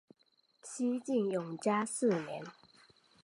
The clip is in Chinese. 西晋永嘉四年。